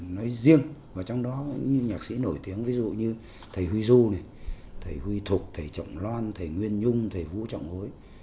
nói riêng và trong đó những nhạc sĩ nổi tiếng ví dụ như thầy huy du này thầy huy thục thầy trọng loan thầy nguyên nhung thầy vũ trọng hối